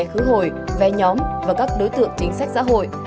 giá vé khứ hội vé nhóm và các đối tượng chính sách xã hội